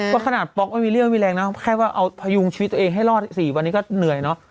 เพราะขนาดป๊อกไม่มีเรี่ยวมีแรงนะแค่ว่าเอาพยุงชีวิตตัวเองให้รอด๔วันนี้ก็เหนื่อยเนอะ